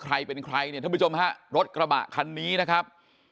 ใครเป็นใครเนี่ยท่านผู้ชมฮะรถกระบะคันนี้นะครับ